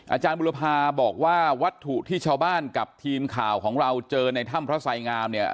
อาจารย์บุรพาบอกว่าวัตถุที่ชาวบ้านกับทีมข่าวของเราเจอในถ้ำพระไสงามเนี่ย